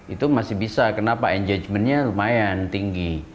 itu masih bisa kenapa engagementnya lumayan tinggi